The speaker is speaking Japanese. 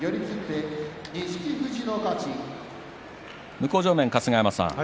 向正面の春日山さん